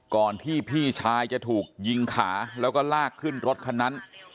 ก่อนที่พี่ชายจะถูกยิงขาแล้วก็ลากขึ้นรถคันนั้น